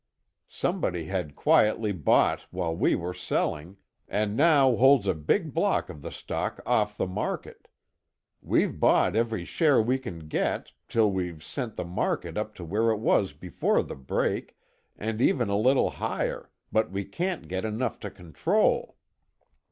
Somebody had quietly bought while we were selling, and now holds a big block of the stock off the market. We've bought every share we can get, till we've sent the market up to where it was before the break, and even a little higher, but we can't get enough to control."